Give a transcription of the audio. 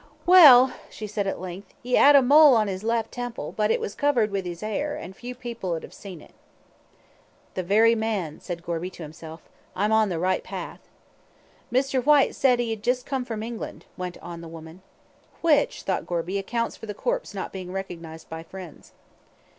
"Well," she said at length, "he 'ad a mole on his left temple, but it was covered with 'is 'air, an' few people 'ud 'ave seen it." "The very man," said Gorby to himself, "I'm on the right path." "Mr. Whyte said 'e 'ad just come from England," went on the woman. "Which," thought Mr. Gorby, "accounts for the corpse not being recognised by friends."